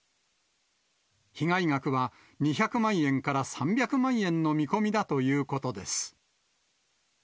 被害額は２００万円から３００万円の見込みだということです。